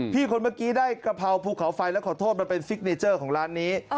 คนเมื่อกี้ได้กะเพราภูเขาไฟแล้วขอโทษมาเป็นซิกเนเจอร์ของร้านนี้